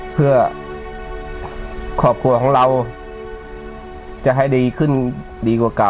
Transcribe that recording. เพื่อครอบครัวของเราจะให้ดีขึ้นดีกว่าเก่า